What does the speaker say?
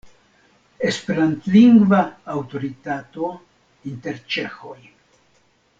Esperantlingva aŭtoritato inter ĉeĥoj.